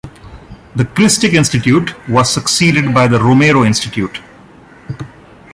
The Christic Institute was succeeded by the Romero Institute.